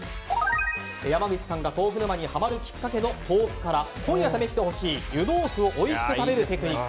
山口さんが豆腐沼にハマるきっかけの豆腐から今夜試してほしい湯豆腐をおいしく食べるテクニック。